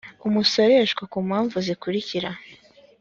umusoreshwa ku mpamvu zikurikira